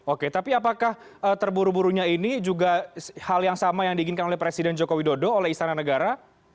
oke tapi apakah terburu burunya ini juga hal yang sama yang diinginkan oleh presiden joko widodo oleh istana negara